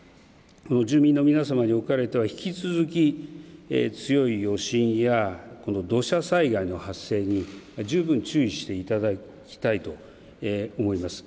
住民の皆さまにおかれては引き続き強い余震やこの土砂災害の発生に十分注意していただきたいと思います。